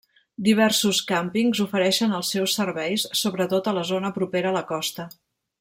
Diversos càmpings ofereixen els seus serveis, sobretot a la zona propera a la costa.